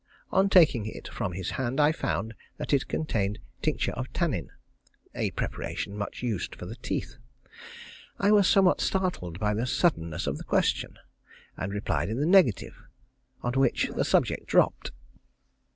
On taking it from his hand, I found that it contained tincture of tannin, a preparation much used for the teeth. I was somewhat startled by the suddenness of the question, and replied in the negative, on which the subject dropped.